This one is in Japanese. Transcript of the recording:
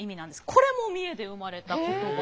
これも三重で生まれた言葉。